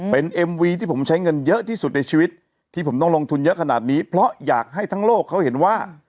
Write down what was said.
เป็นเอ็มวีที่ผมใช้เงินเยอะที่สุดในชีวิตที่ผมต้องลงทุนเยอะขนาดนี้เพราะอยากให้ทั้งโลกเขาเห็นว่า